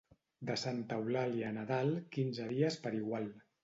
De Santa Eulàlia a Nadal, quinze dies per igual.